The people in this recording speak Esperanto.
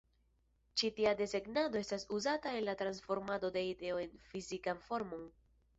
Ĉi tia desegnado estas uzata en la transformado de ideo en fizikan formon.